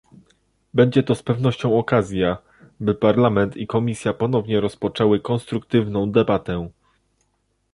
Będzie to z pewnością okazja, by Parlament i Komisja ponownie rozpoczęły konstruktywną debatę